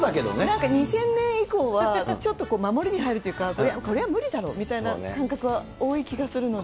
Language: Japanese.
なんか２０００年以降は、ちょっと守りに入るというか、これは無理だろうみたいな感覚は多い気がするので。